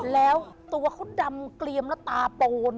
แล้วตัวเขาดำเกลียมแล้วตาโปน